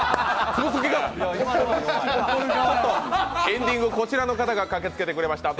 エンディング、こちらの方が駆けつけてくれました。